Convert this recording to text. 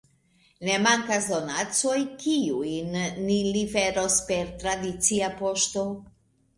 Ne mankas donacoj, kiujn ni liveros per tradicia poŝto.